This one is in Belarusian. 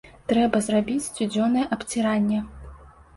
Трэба зрабіць сцюдзёнае абціранне!